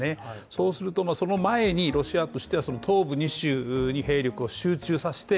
そうするとその前にロシアとしてはその東部２州に兵力を集中させて